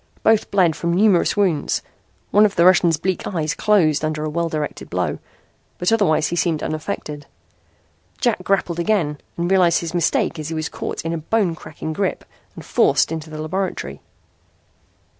Both bled from numerous wounds. One of the Russian's bleak eyes closed under a well directed blow, but otherwise he seemed unaffected. Jack grappled again and realized his mistake as he was caught in a bone cracking grip and forced into the laboratory.